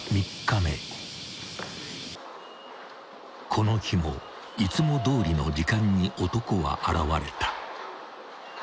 ［この日もいつもどおりの時間に男は現れた］